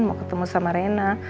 mau ketemu sama rena